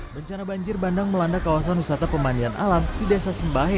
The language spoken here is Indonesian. bencana banjir bandang melanda kawasan wisata pemandian alam di desa sembahe